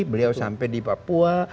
beliau sampai di papua